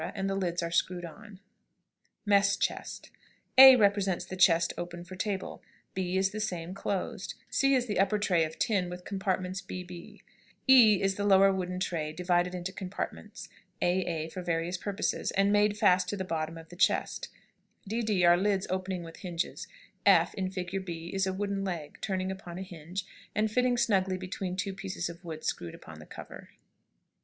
and the lids are screwed on. [Illustration: MESS CHEST.] MESS CHEST. A represents the chest open for table; B is the same closed; C is the upper tray of tin, with compartments, b, b; E is the lower wooden tray, divided into compartments, a, a, for various purposes, and made fast to the bottom of the chest; d, d are lids opening with hinges; f (in figure B) is a wooden leg, turning upon a hinge, and fitting snugly between two pieces of wood screwed upon the cover.